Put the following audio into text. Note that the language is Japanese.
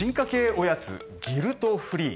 おやつギルトフリー。